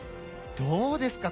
どうですか？